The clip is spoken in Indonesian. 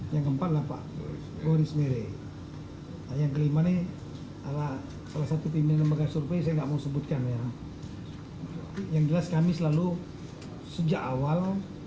yang jelas kami selalu sejak awal